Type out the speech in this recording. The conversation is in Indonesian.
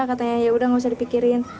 katanya yaudah gak usah dipikirin